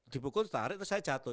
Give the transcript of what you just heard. dipukul tarik terus saya jatuh